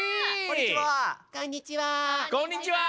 こんにちは。